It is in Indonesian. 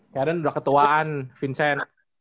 karen udah ketuaan vincent